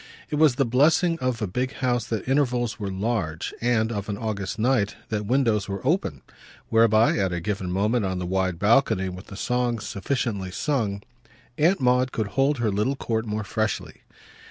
It was the blessing of a big house that intervals were large and, of an August night, that windows were open; whereby, at a given moment, on the wide balcony, with the songs sufficiently sung, Aunt Maud could hold her little court more freshly.